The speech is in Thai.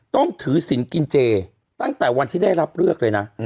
ต้องถือศิลป์กินเจตั้งแต่วันที่ได้รับเลือกเลยนะ